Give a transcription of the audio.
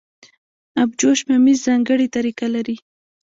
ابجوش ممیز ځانګړې طریقه لري.